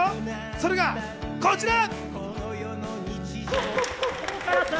それがこちら。